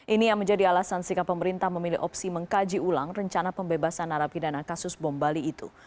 ini yang menjadi alasan sikap pemerintah memilih opsi mengkaji ulang rencana pembebasan narapidana kasus bom bali itu